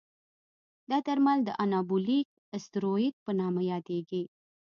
دا درمل د انابولیک استروئید په نامه یادېږي.